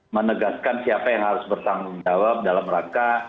menegaskan siapa yang harus bertanggung jawab dalam rangka